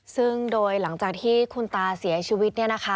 ซึ่งโดยหลังจากที่คุณตาเสียชีวิต